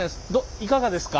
いかがですか？